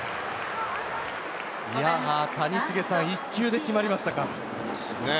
谷繁さん、１球で決まりましたか。